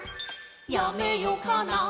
「やめよかな」